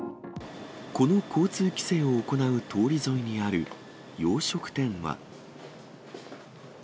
この交通規制を行う通り沿いにある洋食店は。